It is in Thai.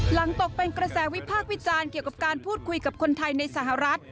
ตกเป็นกระแสวิพากษ์วิจารณ์เกี่ยวกับการพูดคุยกับคนไทยในสหรัฐ